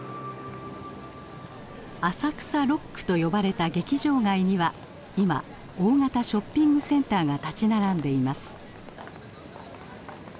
浅草六区と呼ばれた劇場街には今大型ショッピングセンターが立ち並んでいます。